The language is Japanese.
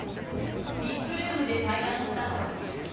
ＶＩＰルームで対談スタート。